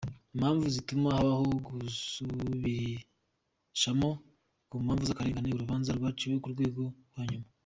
Impamvu zituma habaho gusubirishamo ku mpamvu z’akarengane urubanza rwaciwe ku rwego rwa nyuma.